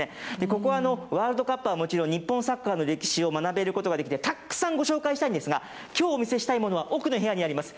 ここはワールドカップはもちろん、日本サッカーの歴史を学べることができて、たくさんご紹介したいんですが、きょうお見せしたいものは、奥の部屋にあります。